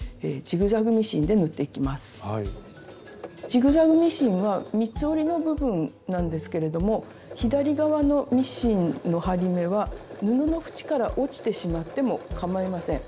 ジグザグミシンは三つ折りの部分なんですけれども左側のミシンの針目は布の縁から落ちてしまってもかまいません。